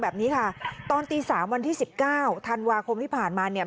แบบนี้ค่ะตอนตีสามวันที่สิบเก้าธันวาคมที่ผ่านมาเนี่ย